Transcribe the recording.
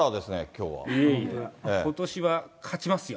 ことしは勝ちますよ。